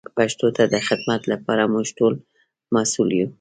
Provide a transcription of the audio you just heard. پښتو ته د خدمت لپاره موږ ټول مسئول یو.